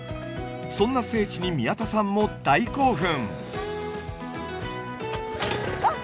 そんな聖地に宮田さんも大興奮！